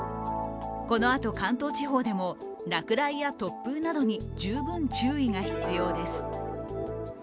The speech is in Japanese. このあと関東地方でも落雷や突風などに十分注意が必要です。